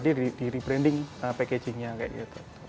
jadi produknya ukm tadi di rebranding packaging nya kayak gitu